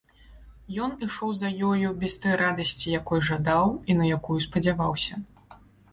Ён ішоў за ёю без той радасці, якой жадаў і на якую спадзяваўся.